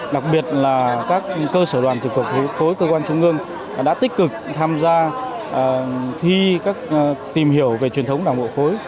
đặc biệt là các cơ sở đoàn từ cộng hội khối cơ quan trung ương đã tích cực tham gia thi tìm hiểu về truyền thống đảng bộ khối